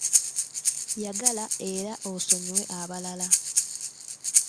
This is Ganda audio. Yagala era osonyiwe abalala.